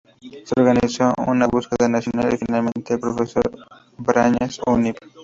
Se organizó una búsqueda nacional y finalmente el profesor Brañas, Univ.